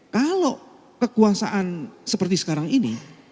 kalau kekuasaan seperti sekarang ini